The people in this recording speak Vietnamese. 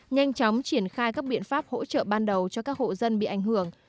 nhanh chóng triển khai các biện pháp hỗ trợ ban đầu cho các hộ dân bị ảnh hưởng